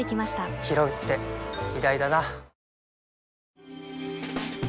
ひろうって偉大だな